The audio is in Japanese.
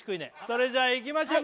それじゃいきましょう